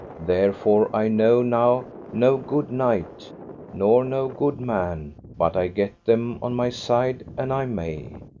Therefore I know now no good knight, nor no good man, but I get them on my side an I may.